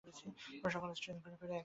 তোমরা সকল স্ট্রেঞ্জ, ঘুরেফিরে একই।